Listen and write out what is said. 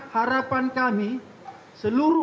harapan kami seluruh